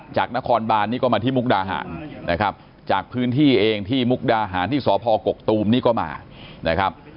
จากนครบานนี่ก็มาที่มุกดาหารนะครับจากพื้นที่เองที่มุกดาหารที่สพกกตูมนี่ก็มานะครับ